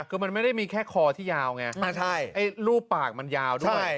ก็มันไม่ได้มีแค่คอที่ยาวไงอ่าใช่ไอ้รูปปากมันยาวด้วยใช่